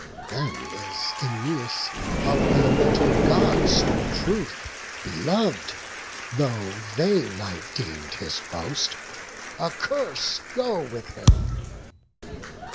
Then is Æneas of th' immortal Gods In truth belov'd, though vain I deem'd his boast. A curse go with him!